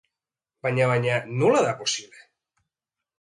Baina, baina... nola da posible?